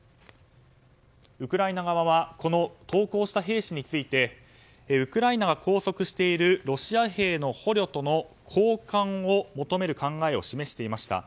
ウクライナ側はこの投降した兵士についてウクライナが拘束しているロシア兵の捕虜との交換を求める考えを示していました。